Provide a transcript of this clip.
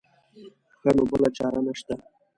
ښه نو بله چاره نه شته.